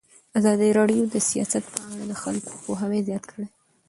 ازادي راډیو د سیاست په اړه د خلکو پوهاوی زیات کړی.